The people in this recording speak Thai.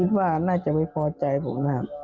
ว่าน่าจะไม่พอใจผมนะครับ